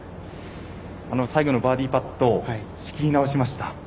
最後のバーディーパット仕切り直しました。